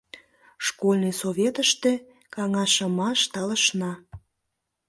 Школьный советыште каҥашымаш талышна.